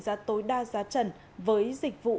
giá tối đa giá trần với dịch vụ